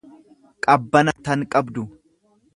qabbana tan qabdu.